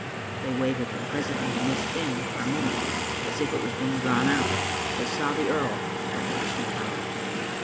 " They waited, and presently the mist thinned for a moment, as if it was being drawn out. They saw the earl, but there was no dog.